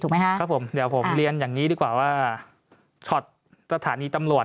ไหมฮะครับผมเดี๋ยวผมเรียนอย่างนี้ดีกว่าว่าช็อตสถานีตำรวจ